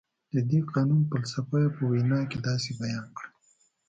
د دې قانون فلسفه یې په وینا کې داسې بیان کړه.